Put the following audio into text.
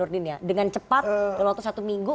dengan cepat waktu satu minggu